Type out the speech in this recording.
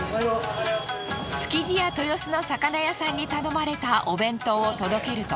築地や豊洲の魚屋さんに頼まれたお弁当を届けると。